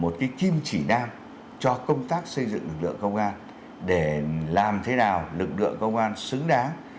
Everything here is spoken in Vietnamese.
một cái kim chỉ nam cho công tác xây dựng lực lượng công an để làm thế nào lực lượng công an xứng đáng